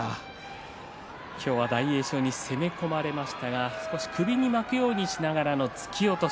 大栄翔に攻め込まれましたが少し首に巻くようにしながらの突き落とし。